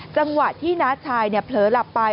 จังหวะที่น้าชายเผลอหลับไป